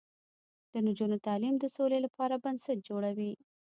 د نجونو تعلیم د سولې لپاره بنسټ جوړوي.